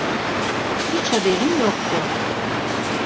Hiç haberim yoktu.